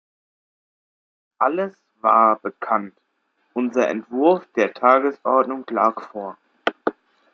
Alles war bekannt, unser Entwurf der Tagesordnung lag vor.